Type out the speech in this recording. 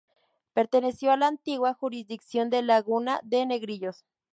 Perteneció a la antigua Jurisdicción de Laguna de Negrillos.